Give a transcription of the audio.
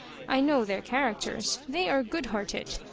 I know their characters they are good hearted.